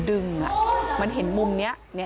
อุ๊ย